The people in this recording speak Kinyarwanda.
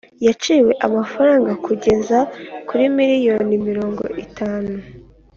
Yaciwe amafaranga kugeza kuri miliyoni mirongo itanu